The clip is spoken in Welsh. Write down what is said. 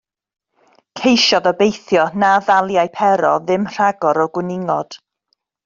Ceisiodd obeithio na ddaliai Pero ddim rhagor o gwningod.